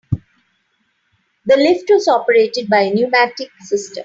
The lift was operated by a pneumatic system.